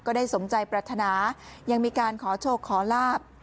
ได้สมใจปรารถนายังมีการขอโชคขอลาบ